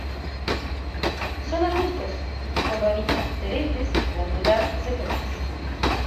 Son arbustos; con ramitas teretes, glandular-setosas.